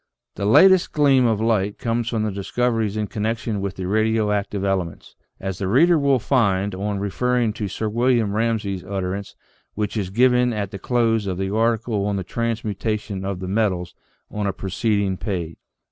The latest gleam of light comes from discoveries in con nection with the radioactive elements, as the reader will find, on referring to Sir William Ramsay's utterance, which is given at the close of the article on the " Transmutation of the Metals," on a preceding page.